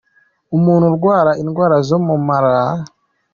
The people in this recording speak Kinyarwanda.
Umuntu urwara indwara zo mu mara.